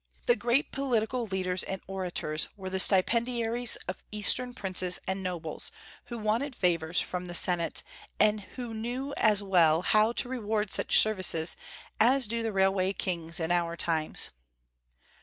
The great political leaders and orators were the stipendiaries of Eastern princes and nobles who wanted favors from the Senate, and who knew as well how to reward such services as do the railway kings in our times.